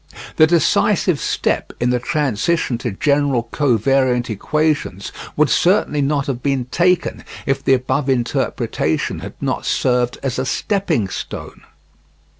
The decisive step in the transition to general co variant equations would certainly not have been taken if the above interpretation had not served as a stepping stone.